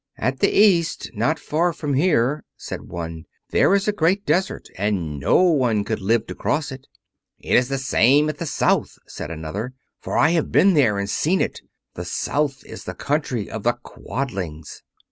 "At the East, not far from here," said one, "there is a great desert, and none could live to cross it." "It is the same at the South," said another, "for I have been there and seen it. The South is the country of the Quadlings."